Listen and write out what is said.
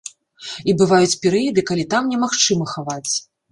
І бываюць перыяды, калі там немагчыма хаваць.